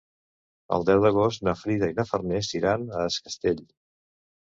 El deu d'agost na Frida i na Farners iran a Es Castell.